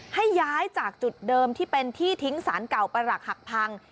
ให้ย้ายจากจุดเดิมที่เป็นที่ทิ้งสารเก่าประหลักหักพัง